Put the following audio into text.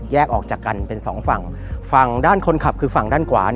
ออกจากกันเป็นสองฝั่งฝั่งด้านคนขับคือฝั่งด้านขวา